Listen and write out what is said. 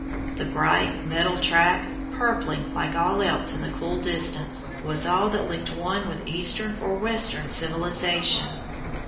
The bright metal track, purpling like all else in the cool distance, was all that linked one with Eastern or Western civilization.